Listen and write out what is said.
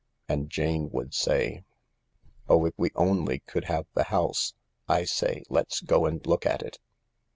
And Jane would say: " Oh, if we only could have the House ! I say— let's go and look at it."